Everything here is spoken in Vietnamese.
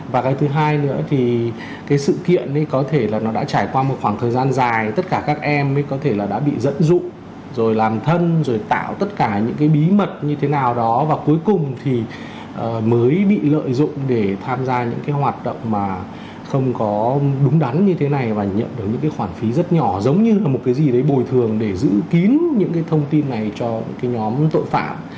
và cái thứ hai nữa thì cái sự kiện ấy có thể là nó đã trải qua một khoảng thời gian dài tất cả các em ấy có thể là đã bị dẫn dụng rồi làm thân rồi tạo tất cả những cái bí mật như thế nào đó và cuối cùng thì mới bị lợi dụng để tham gia những cái hoạt động mà không có đúng đắn như thế này và nhận được những cái khoản phí rất nhỏ giống như là một cái gì đấy bồi thường để giữ kín những cái thông tin này cho những cái nhóm tội phạm